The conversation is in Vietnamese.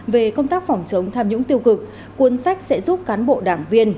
về công tác phòng chống tham nhũng tiêu cực cuốn sách sẽ giúp cán bộ đảng viên